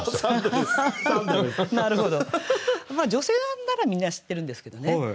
女性ならみんな知ってるんですけどね